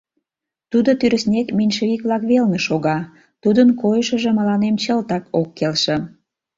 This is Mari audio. — Тудо тӱрыснек меньшевик-влак велне шога, тудын койышыжо мыланем чылтак ок келше...